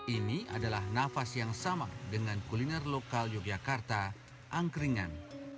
ini adalah nafas yang sama dengan kuliner lokal yogyakarta angkringan